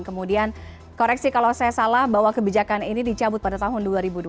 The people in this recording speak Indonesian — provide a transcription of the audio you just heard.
kemudian koreksi kalau saya salah bahwa kebijakan ini dicabut pada tahun dua ribu dua puluh